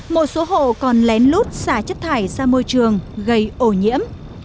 một số hộ còn lén lút xả chất thải ra môi trường gây ổ nhiễm